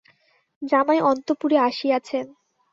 জামাই অন্তঃপুরে আসিয়াছেন।